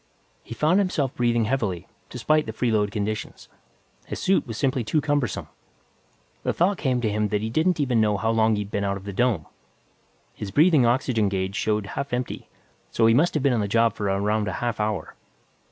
He found himself breathing heavily, despite the freeload conditions. His suit was simply too cumbersome. The thought came to him that he didn't even know how long he'd been out of the dome. His breathing oxygen gauge showed half empty, so he must have been on the job for around a half hour.